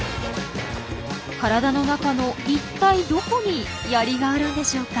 体の中の一体どこにヤリがあるんでしょうか？